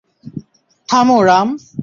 থামো, রাম!